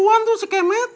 dan nanti setelah dia bilang